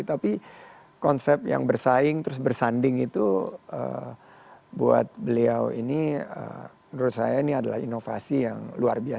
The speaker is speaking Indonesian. tapi konsep yang bersaing terus bersanding itu buat beliau ini menurut saya ini adalah inovasi yang luar biasa